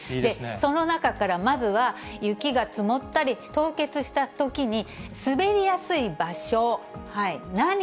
その中からまずは、雪が積もったり凍結したときに、すべりやすい場所、何？